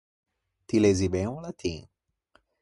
Ti lezi ben o latin?